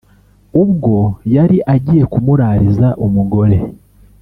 ubwo yari agiye kumurariza umugore